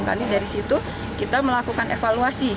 karena dari situ kita melakukan evaluasi